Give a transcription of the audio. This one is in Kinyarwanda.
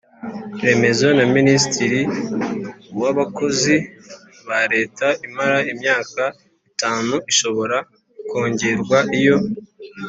Remezo na minisitiri w abakozi ba leta imara imyaka itanu ishobora kongerwa iyo